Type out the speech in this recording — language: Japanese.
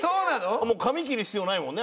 髪切る必要ないもんね。